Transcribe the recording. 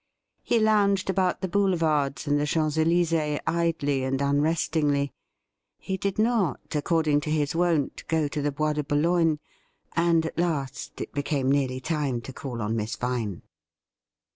He lounged about the Boulevards and the. Champs Elysees idly and unrestingly ; he did not, according to his wont, go to the Bois de Boulogne — and at last it became nearly time to call on Miss Vine.